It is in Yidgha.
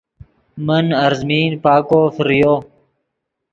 من ارزمین پاکو فریو